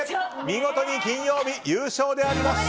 見事に金曜日優勝であります！